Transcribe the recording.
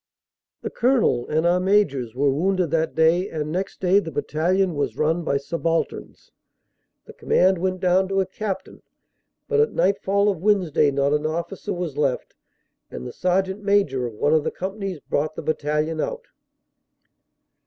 "The Colonel and our Majors were wounded that day and next day the battalion was run by subalterns. The command went down to a Captain, but at nightfall of Wednesday not an officer was left and the Sergt. Major of one of the Companies brought the battalion out.